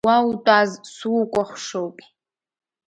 Уа утәаз, сукәахшоуп!